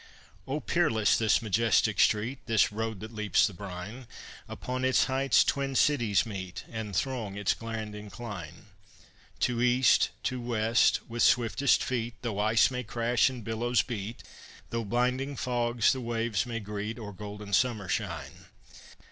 O peerless this majestic street, This road that leaps the brine! Upon its heights twin cities meet, And throng its grand incline, To east, to west, with swiftest feet, Though ice may crash and billows beat, Though blinding fogs the wave may greet Or golden summer shine.